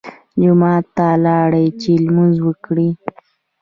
جومات ته لاړ چې لمونځ وکړي.